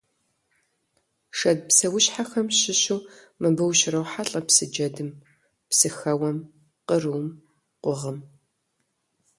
Шэд псэущхьэхэм щыщу мыбы ущрохьэлӀэ псы джэдым, псыхэуэм, кърум, къугъым.